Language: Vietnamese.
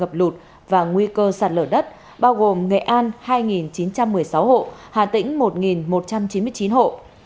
tổng số người bị ngập lụt và nguy cơ sạt lở đất bao gồm nghệ an hai chín trăm một mươi sáu hộ hà tĩnh một một trăm chín mươi chín hộ